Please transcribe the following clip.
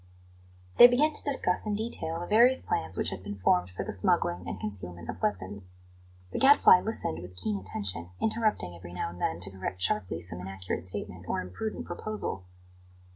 They began to discuss in detail the various plans which had been formed for the smuggling and concealment of weapons. The Gadfly listened with keen attention, interrupting every now and then to correct sharply some inaccurate statement or imprudent proposal.